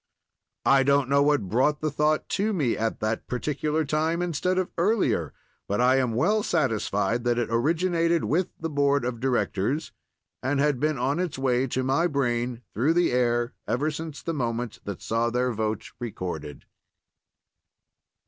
I don't know what brought the thought to me at that particular time instead of earlier, but I am well satisfied that it originated with the Board of Directors, and had been on its way to my brain through the air ever since the moment that saw their vote recorded.